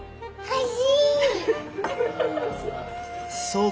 はい。